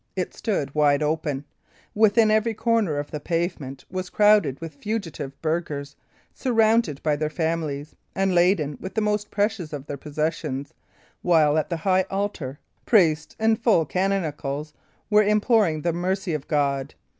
It stood wide open; within, every corner of the pavement was crowded with fugitive burghers, surrounded by their families and laden with the most precious of their possessions, while, at the high altar, priests in full canonicals were imploring the mercy of God.